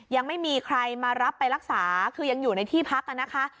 ยังไม่มีใครมารับไปรักษาคือยังอยู่ในที่พักนะคะ